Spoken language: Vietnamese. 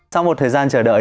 sau một thời gian chờ đợi